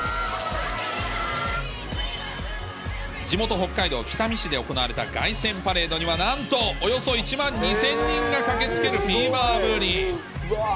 地元、北海道北見市で行われた凱旋パレードには、なんと、およそ１万２０００人が駆けつけるフィーバーぶり。